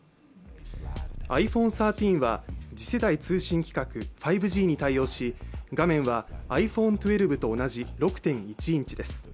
ｉＰｈｏｎｅ１３は次世代通信規格５Ｇに対応し、画面はｉＰｈｏｎｅ１２と同じ６．１インチです。